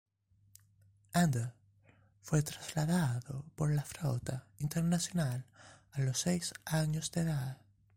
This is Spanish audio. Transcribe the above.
Ender fue trasladado por la Flota Internacional a los seis años de edad.